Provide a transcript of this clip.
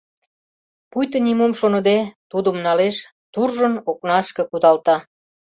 Пуйто нимом шоныде, тудым налеш, туржын, окнашке кудалта.